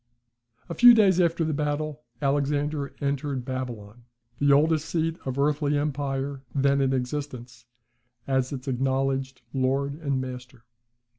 A few days after the battle Alexander entered Babylon, "the oldest seat of earthly empire" then in existence, as its acknowledged lord and master.